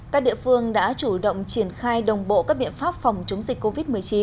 các địa phương đã chủ động triển khai đồng bộ các biện pháp phòng chống dịch covid một mươi chín